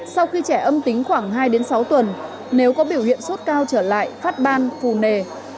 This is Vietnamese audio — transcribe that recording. sau khi trẻ âm tính khoảng hai sáu tuần nếu có biểu hiện sốt cao trở lại phát ban phù nề